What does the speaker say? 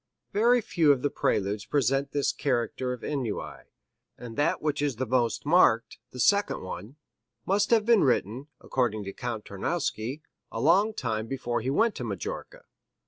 Very few of the Preludes present this character of ennui, and that which is the most marked, the second one, must have been written, according to Count Tarnowski, a long time before he went to Majorca.